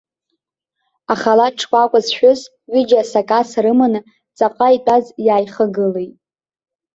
Ахалаҭ шкәакәа зшәыз ҩыџьа асакаса рыманы, ҵаҟа итәаз иааихагылеит.